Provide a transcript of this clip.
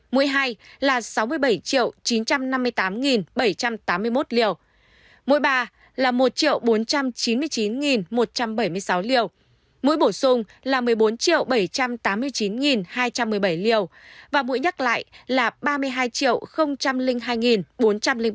mũi ba là một bốn trăm chín mươi chín một trăm bảy mươi sáu liều mũi bổ sung là một mươi bốn bảy trăm tám mươi chín hai trăm một mươi bảy liều và mũi nhắc lại là ba mươi hai hai bốn trăm linh ba liều